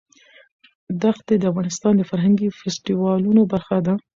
دښتې د افغانستان د فرهنګي فستیوالونو برخه ده.